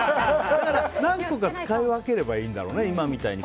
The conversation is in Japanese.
何個か使い分ければいいんだろうね。